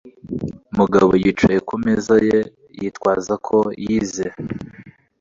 Mugabo yicaye ku meza ye, yitwaza ko yize.